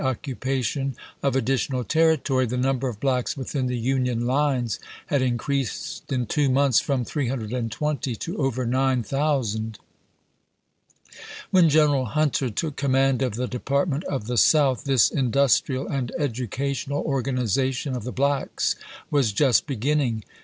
occupation of additional territory, the number of v^ivi., blacks within the Union lines had increased in two ^^" 223'. ' months from 320 to over 9000. When General Hunter took command of the ^f^^j^^' Department of the South, this industrial and educational organization of the blacks was just beginning.